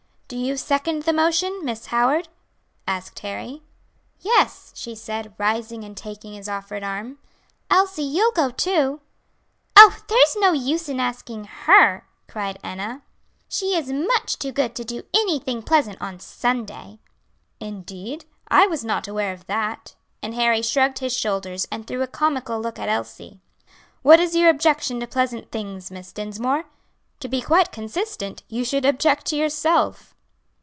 "Do you second the motion, Miss Howard?" asked Harry. "Yes," she said, rising and taking his offered arm. "Elsie, you'll go too?" "Oh, there's no use in asking her!" cried Enna. "She is much too good to do anything pleasant on Sunday." "Indeed! I was not aware of that." And Harry shrugged his shoulders, and threw a comical look at Elsie. "What is your objection to pleasant things, Miss Dinsmore? To be quite consistent you should object to yourself."